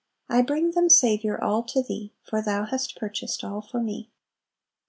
I bring them, Saviour, all to Thee, For Thou hast purchased all for me."